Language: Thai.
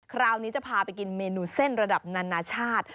คราวนี้จะพาไปกินเมนูเส้นระดับนานาชาติ